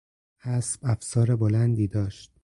اسب افسار بلندی داشت.